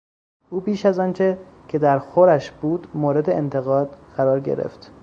او بیش از آنچه که درخورش بود مورد انتقاد قرار گرفت.